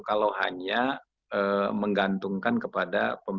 kalau hanya menggantungkan kepada pemerintah